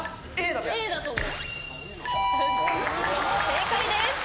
正解です。